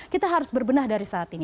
kita harus berbenah dari saat ini